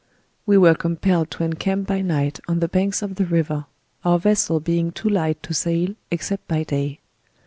We were compelled to en camp by night on the banks of the river; our vessel being too light to sail except by day.